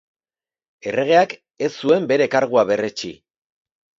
Erregeak ez zuen bere kargua berretsi.